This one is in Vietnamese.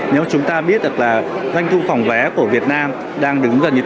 nếu chúng ta biết được là doanh thu phòng vé của việt nam đang đứng gần như thế này